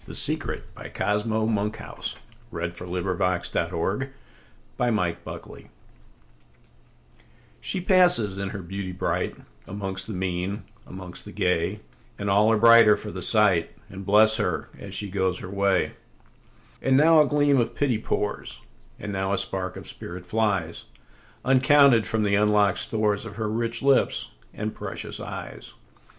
A Victorian Anthology, 1837–1895. 1895. Cosmo Monkhouse b. 1840 The Secret SHE passes in her beauty brightAmongst the mean, amongst the gay, And all are brighter for the sight, And bless her as she goes her way. And now a gleam of pity pours, And now a spark of spirit flies, Uncounted, from the unlock'd storesOf her rich lips and precious eyes.